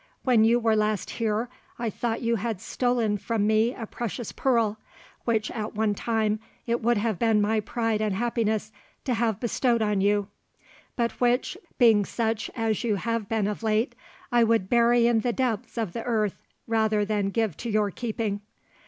When you were last here, I thought you had stolen from me a precious pearl, which at one time it would have been my pride and happiness to have bestowed on you; but which, being such as you have been of late, I would bury in the depths of the earth rather than give to your keeping.